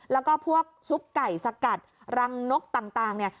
แล้วก็พวกซุปไก่สกัดรังนกต่างเนี่ย